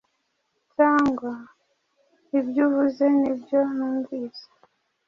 cyangwa ibyo uvuze ni byo numvise?